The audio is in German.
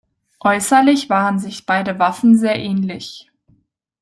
Äußerlich waren sich beide Waffen sehr ähnlich.